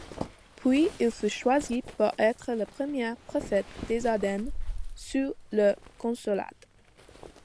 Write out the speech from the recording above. Puis il fut choisi pour être le premier préfet des Ardennes sous le Consulat.